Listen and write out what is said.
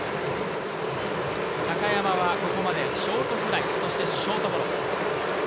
高山はここまでショートフライ、そしてショートゴロ。